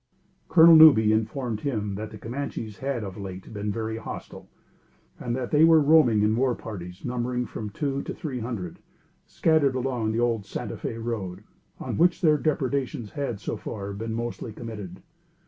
Colonel Newby informed him that the Camanches had of late been very hostile, and that they were then roaming in war parties, numbering from two to three hundred, scattered along the old Santa Fé road, on which their depredations had, so far, been mostly committed.